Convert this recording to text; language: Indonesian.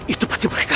itu pasti mereka